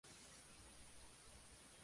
Su presidente es Chris Carter.